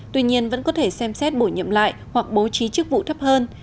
tuy nhiên vẫn có thể xem xét bổ nhiệm lại hoặc bố trí chức vụ thấp hơn